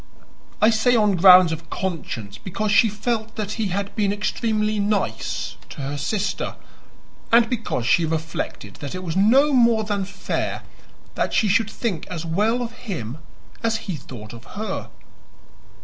I say on grounds of conscience because she felt that he had been extremely "nice" to her sister, and because she reflected that it was no more than fair that she should think as well of him as he thought of her.